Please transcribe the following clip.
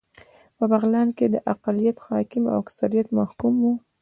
په بغلان کې اقليت حاکم او اکثريت محکوم و